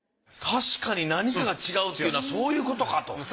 確かに何かが違うっていうのはそういうことかと。